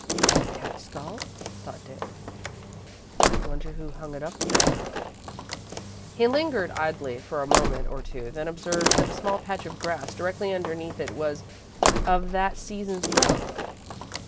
"Cat's skull," thought Dick. "Wonder who hung it up there?" He lingered, idly, for a moment or two, then observed that a small patch of grass directly underneath it was of that season's growth.